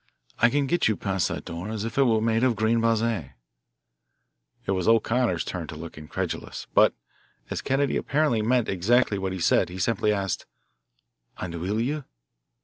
I can get you past that door as if it were made of green baize." It was O'Connor's turn to look incredulous, but as Kennedy apparently meant exactly what he said, he simply asked, "And will you?"